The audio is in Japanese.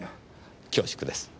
恐縮です。